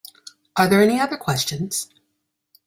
Are there any other questions?